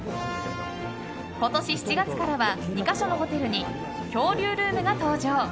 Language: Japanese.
今年７月からは２か所のホテルに恐竜ルームが登場。